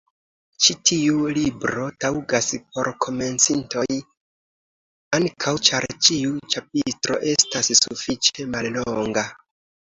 Ĉi tiu libro taŭgas por komencintoj ankaŭ ĉar ĉiu ĉapitro estas sufiĉe mallonga.